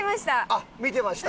あっ見てました？